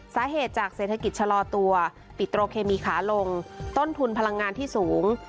สาเหตุจากเศรษฐกิจชะลอตัวปิโตรเคมีขาลงต้นทุนพลังงานที่สูง